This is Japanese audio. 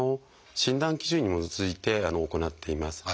診断基準に基づいて行っています。